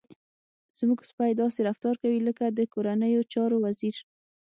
زموږ سپی داسې رفتار کوي لکه د کورنیو چارو وزير.